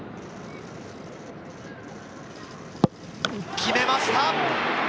決めました！